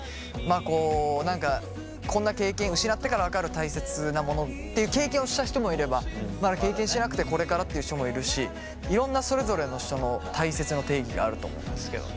あこう何かこんな経験失ってから分かるたいせつなものっていう経験をした人もいればまだ経験してなくてこれからっていう人もいるしいろんなそれぞれの人のたいせつの定義があると思うんですけども。